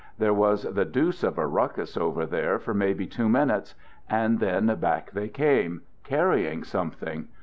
There was the deuce of a ruckus over there for maybe two minutes, and then back they came —' carrying something.